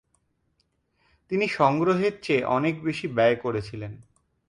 তিনি সংগ্রহের চেয়ে অনেক বেশি ব্যয় করেছিলেন।